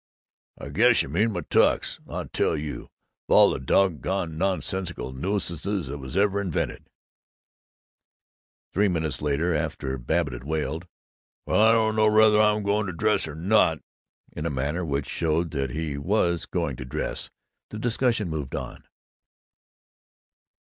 "I guess you mean my Tux. I tell you, of all the doggone nonsensical nuisances that was ever invented " Three minutes later, after Babbitt had wailed, "Well, I don't know whether I'm going to dress or not" in a manner which showed that he was going to dress, the discussion moved on.